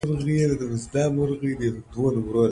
کندهار امیر عبدالرحمن خان ته سپارل سوی وو.